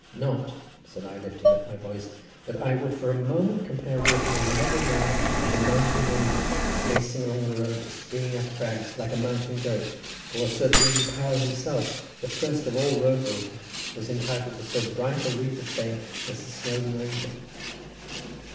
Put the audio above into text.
Not," said I, lifting up my voice, "that I would for a moment compare walking on the level ground to mountain ranging, pacing along the road to springing up crags like a mountain goat, or assert that even Powell himself, the first of all road walkers, was entitled to so bright a wreath of fame as the Snowdon Ranger."